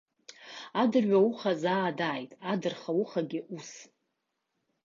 Адырҩауха заа дааит, адырхаухагьы ус.